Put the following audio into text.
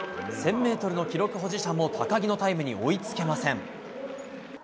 １０００ｍの記録保持者も高木のタイムに追いつけません。